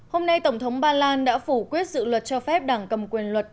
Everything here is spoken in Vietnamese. hôm nay tổng thống ba lan đã phủ quyết dự luật cho phép đảng cầm quyền luật